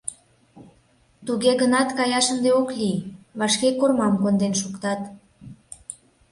Туге гынат каяш ынде ок лий, вашке кормам конден шуктат...